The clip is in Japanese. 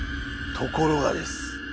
ところがです。